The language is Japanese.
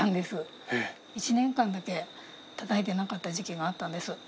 １年間だけたたいてなかった時期があったんです。